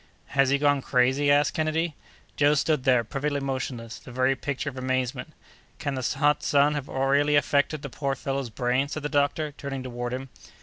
"Has he gone crazy?" asked Kennedy. Joe stood there, perfectly motionless, the very picture of amazement. "Can the hot sun have really affected the poor fellow's brain?" said the doctor, turning toward him.